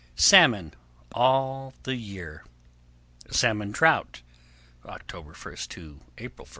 Salmon All the year. Salmon Trout October 1 to April 1.